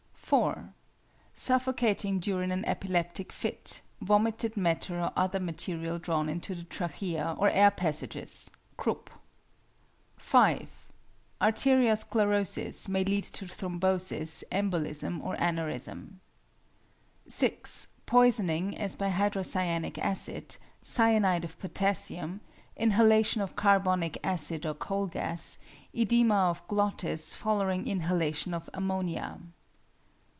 4. Suffocation during an epileptic fit; vomited matter or other material drawn into the trachea or air passages; croup. 5. Arterio sclerosis may lead to thrombosis, embolism, or aneurism. 6. Poisoning, as by hydrocyanic acid, cyanide of potassium, inhalation of carbonic acid or coal gas, oedema of glottis following inhalation of ammonia.